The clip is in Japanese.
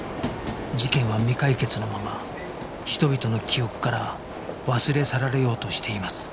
事件は未解決のまま人々の記憶から忘れ去られようとしています